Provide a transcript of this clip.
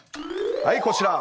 はいこちら！